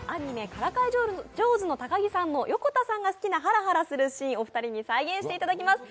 「からかい上手の高木さん」の横田さんが好きなハラハラするシーンお二人に再現していただきます。